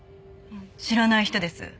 知らない人です。